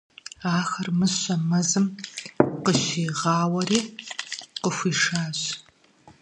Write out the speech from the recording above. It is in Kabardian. Ахэр мыщэм мэзым къыщигъауэри къыхуишащ.